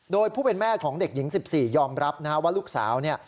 โดยผู้เป็นแม่ของเด็กหญิง๑๔ยอมรับนะฮะว่าลูกสาวเนี่ย